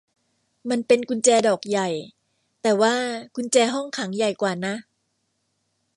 มันเป็นกุญแจดอกใหญ่ แต่ว่ากุญแจห้องขังใหญ่กว่านะ